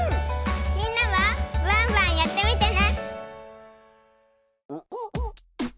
みんなもブワン・ブワンやってみてね！